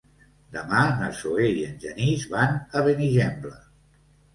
Demà na Zoè i en Genís van a Benigembla.